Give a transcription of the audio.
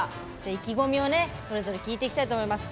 意気込みをそれぞれ聞いていきたいと思います。